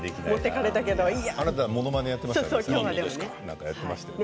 あなたものまねしていましたね。